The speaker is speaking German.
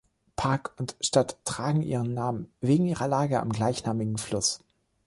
Park und Stadt tragen ihren Namen wegen ihrer Lage am gleichnamigen Fluss.